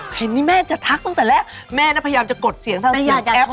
เห็นนี่แม่จะทักตั้งแต่แรกแม่น่ะพยายามจะกดเสียงถ้าเสียงแอปเอาไว้